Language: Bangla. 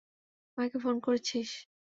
মাকে ফোন করেছিস?